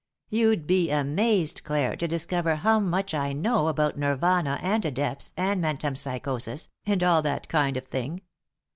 You'd be amazed, Clare, to discover how much I know about Nirvana and adepts and metempsychosis, and all that kind of thing.